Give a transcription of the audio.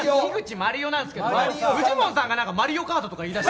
まりよなんですけどフジモンさんがマリヨカートとか言い出して。